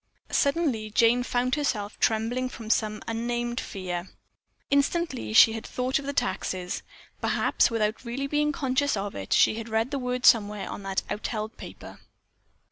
Suddenly Jane found herself trembling from some unnamed fear. Instantly she had thought of the taxes. Perhaps, without really being conscious of it, she had read the word somewhere on that outheld paper.